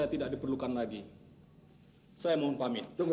aku lagi terlalu lama